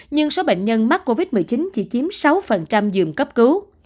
nhưng số bệnh nhân mắc covid một mươi chín chỉ chiếm sáu giường cấp cứu